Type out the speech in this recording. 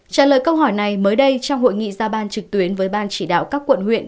trả lời câu hỏi này mới đây trong hội nghị ra ban trực tuyến với ban chỉ đạo các quận huyện